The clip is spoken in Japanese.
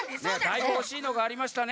だいぶおしいのがありましたね。